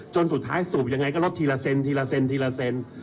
จนสุดท้ายสูบยังไงก็ลดทีละเซน